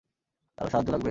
কারো সাহায্য লাগবে?